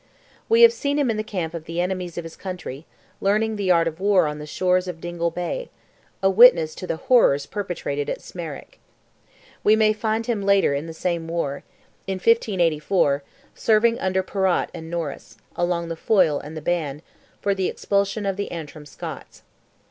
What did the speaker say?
We have seen him in the camp of the enemies of his country, learning the art of war on the shores of Dingle Bay—a witness to the horrors perpetrated at Smerwick. We may find him later in the same war—in 1584—serving under Perrott and Norris, along the Foyle and the Bann, for the expulsion of the Antrim Scots.